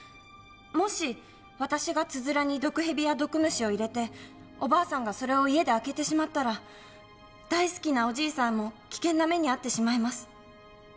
もし私がつづらに毒蛇や毒虫を入れておばあさんがそれを家で開けてしまったら大好きなおじいさんも危険な目に遭ってしまいます。